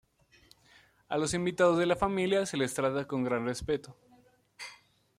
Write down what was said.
A los invitados de la familia se les trata con gran respeto.